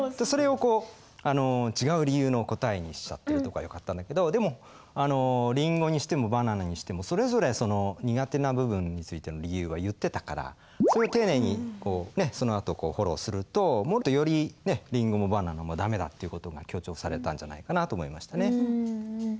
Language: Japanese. それを違う理由の答えにしちゃってるとこはよかったんだけどでもりんごにしてもバナナにしてもそれぞれ苦手な部分についての理由は言ってたからそれを丁寧にそのあとフォローするともっとよりりんごもバナナもダメだっていう事が強調されたんじゃないかなと思いましたね。